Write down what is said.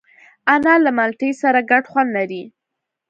انار له مالټې سره ګډ خوند لري.